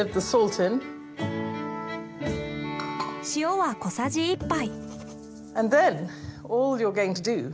塩は小さじ１杯。